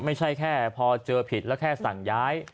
ไม่ใช่แค่พอเจอผิดแล้วแค่สั่งย้าย